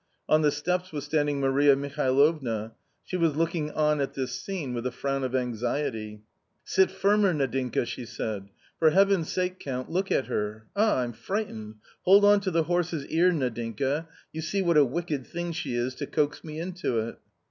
On the steps was standing Maria Mihalovna. She was looking on at this scene with a frown of anxiety. "Sit firmer, Nadinka," she said, "For Heaven's sake, Count, look at her ! Ah ! I'm frightened, hold on to the horse's ear, Nadinka ; you see what a wicked thing she is to coax me into it."